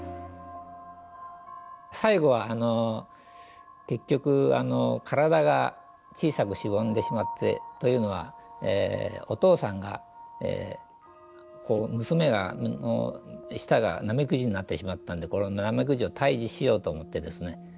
最後は結局体が小さくしぼんでしまってというのはお父さんが娘の舌がナメクジになってしまったんでこのナメクジを退治しようと思ってですね